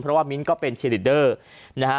เพราะว่ามิ้นก็เป็นเชลิเดอร์นะฮะ